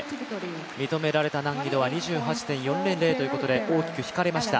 認められた難易度は２８．４００ということで、大きく引かれました。